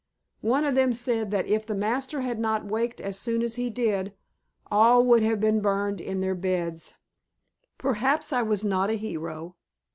One of them said that if master had not waked as soon as he did, all would have been burned in their beds. Perhaps I was not a hero!